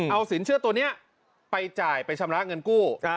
เอาสินเชื่อตัวนี้ไปจ่ายไปชำระเงินกู้